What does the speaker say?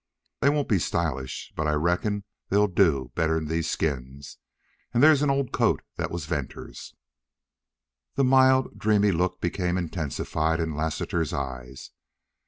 They won't be stylish, but I reckon they'll do better 'n these skins. An' there's an old coat thet was Venters's." The mild, dreamy look became intensified in Lassiter's eyes.